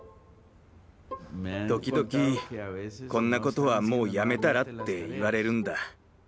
時々「こんなことはもうやめたら」って言われるんだ。